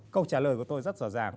câu trả lời của tôi rất rõ ràng